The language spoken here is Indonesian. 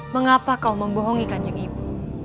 mengapa kau membohongi kanjeng ibu